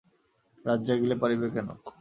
রাত জাগিলে পারিবে কেন?